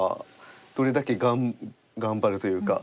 どれだけ頑張るというか。